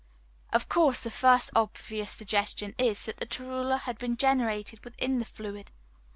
Of course the first obvious suggestion is, that the torula has been generated within the fluid.